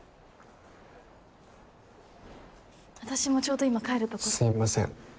私もちょうど今帰るとこすいません